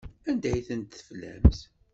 Anda ay tent-teflamt?